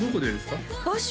場所